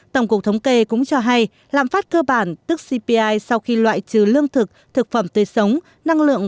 tổng cục thống kê cũng cho hay lạm phát cơ bản tức cpi sau khi loại trừ lương thực thực phẩm tươi sống năng lượng